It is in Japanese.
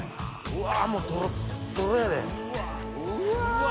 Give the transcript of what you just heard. うわ。